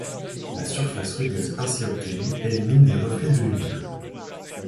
La surface rugueuse ainsi obtenue élimine des reflets de lumière.